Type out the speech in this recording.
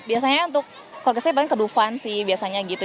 biasanya untuk kalau saya paling ke dufan sih biasanya gitu